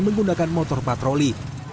menggunakan motor patroli